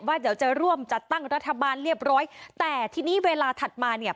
เดี๋ยวจะร่วมจัดตั้งรัฐบาลเรียบร้อยแต่ทีนี้เวลาถัดมาเนี่ย